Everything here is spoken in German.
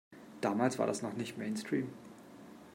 Damals war das noch nicht Mainstream.